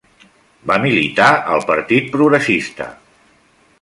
Va militar al Partit Progressista.